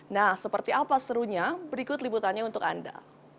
nah seperti apa serunya berikut liputannya untuk anda